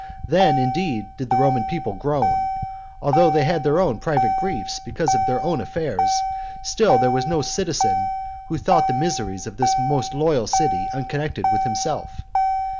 Then, indeed, did the Roman people groan. Although they had their own private griefs because of their own affairs, still there was no citizen who thought the miseries of this most loyal city unconnected with himself.